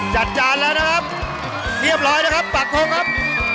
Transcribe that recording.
จัดจานแล้วนะครับเยี่ยมร้อยแล้วครับปากโทษครับ